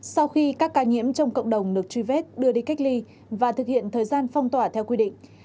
sau khi các ca nhiễm trong cộng đồng được truy vết đưa đi cách ly và thực hiện thời gian phong tỏa theo quy định